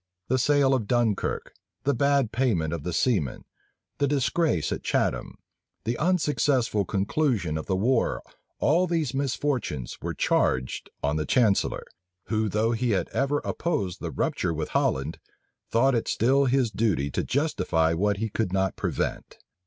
The sale of Dunkirk, the bad payment of the seamen, the disgrace at Chatham, the unsuccessful conclusion of the war all these misfortunes were charged on the chancellor, who though he had ever opposed the rupture with Holland, thought it still his duty to justify what he could not prevent.